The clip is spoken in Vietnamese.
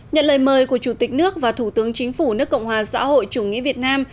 nhận lời mời của chủ tịch nước và thủ tướng chính phủ nước cộng hòa xã hội chủ nghĩa việt nam